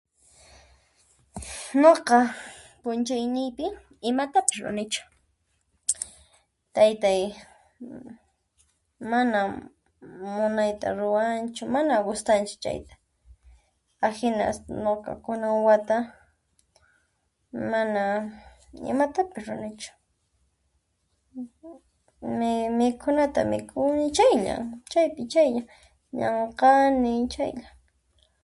Nuqa p'unchayniypi imatapis ruanichu, taytay mana munayta ruanchu mana gustanchu chayta , ahina nuqa kunan wata mana imatapis ruanichu, mukhunata mikhuni chaylla ,llank'ani chaylla.